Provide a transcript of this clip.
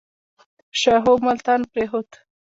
شاهو ملتان پرېښود.